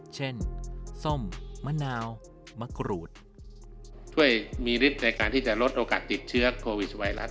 ส้มมะนาวมะกรูดช่วยมีฤทธิ์ในการที่จะลดโอกาสติดเชื้อโควิดไวรัส